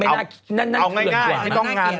เอาง่าย